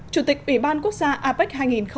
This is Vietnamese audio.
chủ tịch ủy ban quốc gia apec hai nghìn một mươi bảy